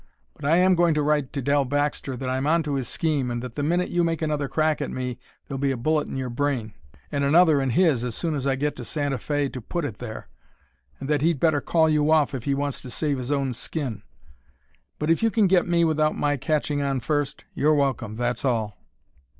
But I am going to write to Dell Baxter that I'm onto his scheme and that the minute you make another crack at me there'll be a bullet in your brain and another in his as soon as I can get to Santa Fe to put it there, and that he'd better call you off if he wants to save his own skin. But if you can get me without my catching on first you're welcome, that's all!"